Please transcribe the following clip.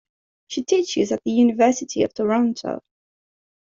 She teaches at the University of Toronto.